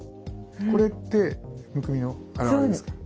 これってむくみのあらわれですから。